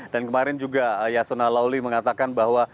dan kemarin juga yasona lawli mengatakan bahwa